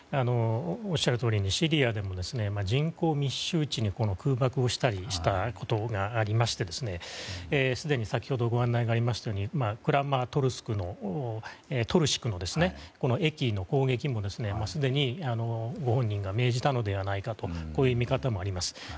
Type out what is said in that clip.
おっしゃるとおりシリアでも人口密集地に空爆をしたりしたことがありましてすでに先ほどご案内がありましたようにクラマトルスクの駅への攻撃もすでにご本人が命じたのではないかというこういう見方もあります。